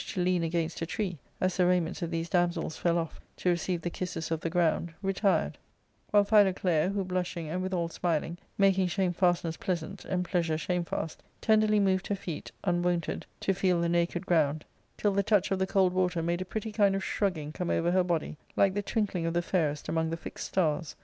'V/ to lean against a tree, as the raiments of these damsels fell, off, to receive the kisses of the ground, retired ; while Philoclea, who blushing, and withal smiling, making shamefastness pleasant, and pleasure shamefast, tenderly moved her feet, unwonted to feel the naked ground, till the touch of the cold ivater made a pretty kind of shrugging come over her body, like the twinkling of the fairest among the fixed stars.